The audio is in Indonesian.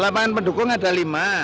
lapangan pendukung ada lima